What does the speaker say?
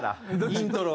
イントロは。